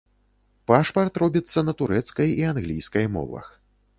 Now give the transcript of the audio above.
Пашпарт робіцца на турэцкай і англійскай мовах.